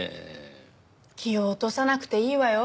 気を落とさなくていいわよ。